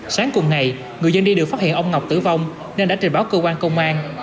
sáng cùng ngày người dân đi được phát hiện ông ngọc tử vong nên đã trình báo cơ quan công an